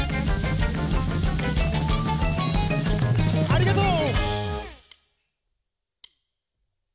ありがとう！